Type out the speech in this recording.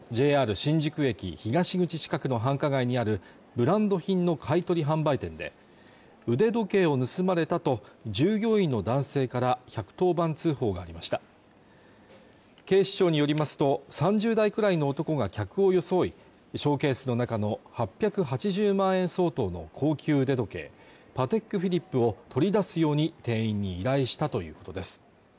ＪＲ新宿駅東口近くの繁華街にあるブランド品の買い取り販売店で腕時計を盗まれたと従業員の男性から１１０番通報がありました警視庁によりますと３０代くらいの男が客を装いショーケースの中の８８０万円相当の高級腕時計パテックフィリップを取り出すように店員に依頼したということです